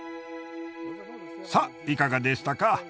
さっいかがでしたか？